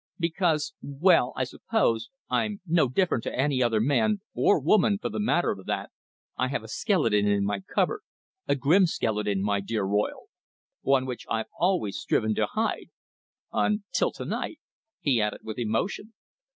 Because well, I suppose I'm no different to any other man or woman for the matter of that I have a skeleton in my cupboard a grim skeleton, my dear Royle. One which I've always striven to hide until to night," he added with emotion.